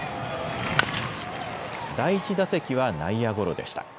第１打席は内野ゴロでした。